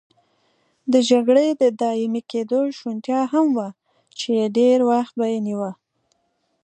د جګړې د دایمي کېدو شونتیا هم وه چې ډېر وخت به یې نیوه.